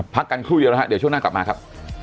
พักกันครู่เดียวนะฮะเดี๋ยวช่วงหน้ากลับมาครับ